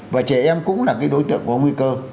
và trẻ em cũng là cái đối tượng có nguy cơ